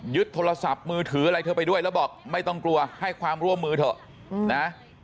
โทรศัพท์มือถืออะไรเธอไปด้วยแล้วบอกไม่ต้องกลัวให้ความร่วมมือเถอะนะ